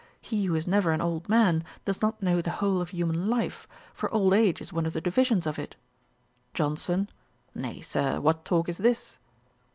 He who is never an old man, does not know the whole of human life; for old age is one of the divisions of it.' JOHNSON. 'Nay, Sir, what talk is this?'